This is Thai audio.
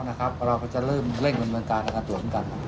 เราก็เราจะเริ่มเล่งบรรยายตรวจด้วยกัน